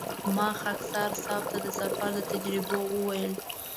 ما خاکسار صیب ته د سفر د تجربې وویل.